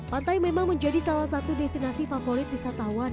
pantai memang menjadi salah satu destinasi favorit wisatawan